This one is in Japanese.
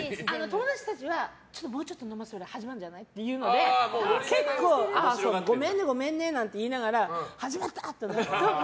友達たちは、もうちょっとで始まるんじゃない？ってごめんね、ごめんねなんて言いながら、始まったって。